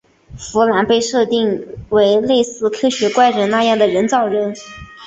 芙兰被设定为类似科学怪人那样的人造人。